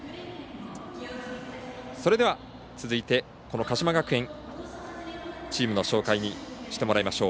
それでは、続いて鹿島学園チームの紹介をしてもらいましょう。